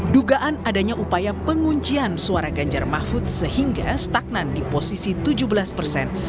dugaan adanya upaya penguncian suara ganjar mahfud sehingga stagnan di posisi tujuh belas persen